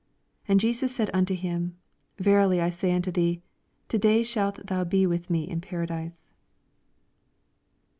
43 And Jesus said unto him, Ver ily I say unto thee, To day shalt thou be with me in paradise.